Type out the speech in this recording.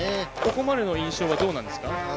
ここまでの印象はどうなんですか？